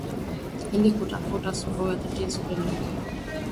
ili kutafuta suluhu ya tatizo lililopo